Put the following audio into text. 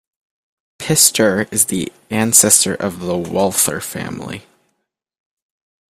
Pistor is the ancestor of the Walther family.